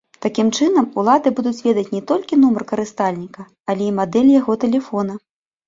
Такім чынам улады будуць ведаць не толькі нумар карыстальніка, але і мадэль яго тэлефона.